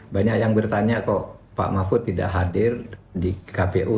banyak yang bertanya kok pak mahfud tidak hadir di kpu